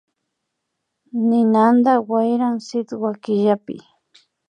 Ninanta wayran sitwa killapi